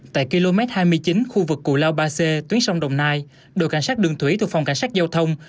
tại km hai mươi chín khu vực cù lao ba c tuyến sông đồng nai đội cảnh sát đường thủy thuộc phòng cảnh sát giao thông